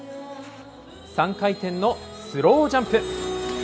３回転のスロージャンプ。